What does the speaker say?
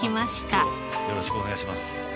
よろしくお願いします。